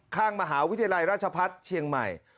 ข้างมหาวิทยาลัยราชพัฒน์เชียงใหม่